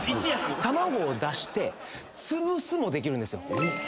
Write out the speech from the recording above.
卵を出して「つぶす」もできるんですよ。